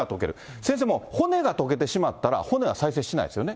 先生、もう骨が溶けてしまったら、骨は再生しないんですよね？